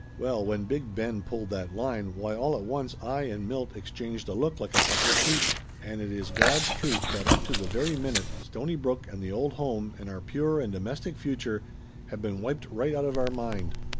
Well, when Big Ben pulled that line, why all at once I and Milt exchanged a look like a coupla sheep. And it is Gawd's truth that up to the very minute, Stony brook and the old home and our pure and domestic fu ture had been wiped right out of our mind.